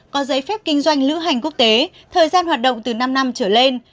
có giấy phép kinh doanh lữ hành quốc tế thời gian hoạt động từ năm năm trở lên